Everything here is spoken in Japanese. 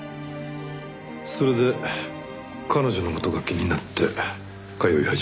それで彼女の事が気になって通い始めた。